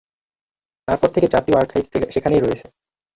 তারপর থেকে জাতীয় আর্কাইভস সেখানেই রয়েছে।